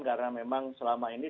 karena memang selama ini